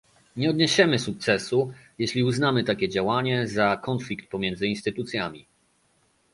Nie odniesiemy sukcesu, jeśli uznamy takie działanie za konflikt pomiędzy instytucjami